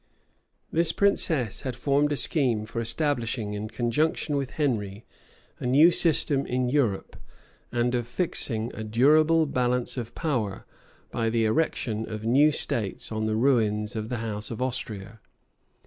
This princess had formed a scheme for establishing, in conjunction with Henry, a new system in Europe, and of fixing a durable balance of power, by the erection of new states on the ruins of the house of Austria.